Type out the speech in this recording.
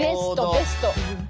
ベスト！